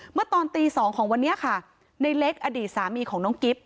เมื่อตอนตี๒ของวันนี้ค่ะในเล็กอดีตสามีของน้องกิ๊บ